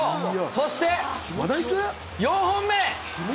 そして４本目！